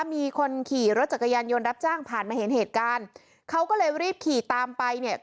มีคนขี่รถจักรยานยนต์รับจ้างผ่านมาเห็นเหตุการณ์เขาก็เลยรีบขี่ตามไปเนี่ย